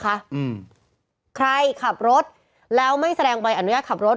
อืมใครขับรถแล้วไม่แสดงใบอนุญาตขับรถ